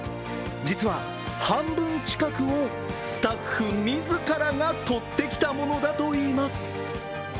実は半分近くをスタッフ自らがとってきたものだといいます。